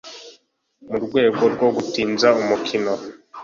mu rwego rwo gutinza umukino